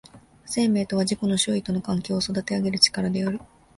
生命とは自己の周囲との関係を育てあげる力である。